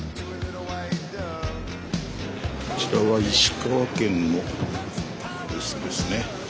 こちらは石川県のブースですね。